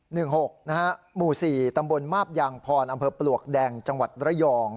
หกนะฮะหมู่สี่ตำบลมาบยางพรอำเภอปลวกแดงจังหวัดระยอง